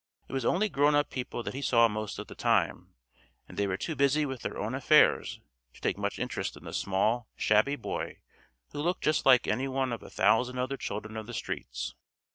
It was only grown up people that he saw most of the time, and they were too busy with their own affairs to take much interest in the small, shabby boy who looked just like any one of a thousand other children of the streets.